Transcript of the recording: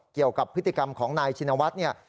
เกี่ยวกับพฤติกรรมของนายชินวัฒน์เนี่ย